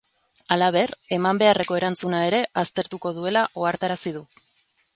Halaber, eman beharreko erantzuna ere aztertuko duela ohartarazi du.